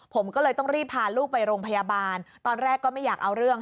ผมก็เลยต้องรีบพาลูกไปโรงพยาบาลตอนแรกก็ไม่อยากเอาเรื่อง